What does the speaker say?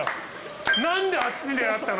何であっち狙ったの？